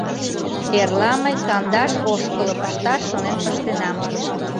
Эрла мый кандаш ошкылым ышташ шонен пыштенам.